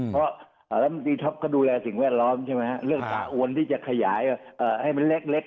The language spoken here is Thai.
เพราะรัฐมนตรีท็อปก็ดูแลสิ่งแวดล้อมใช่ไหมเรื่องสาอวนที่จะขยายให้มันเล็ก